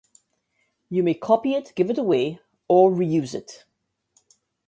You may copy it, give it away or re-use it